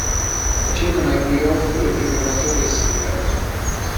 Accedono ai playoff le prime quattro classificate.